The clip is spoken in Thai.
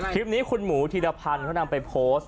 คลิปนี้คุณหมูธีรพันธ์เขานำไปโพสต์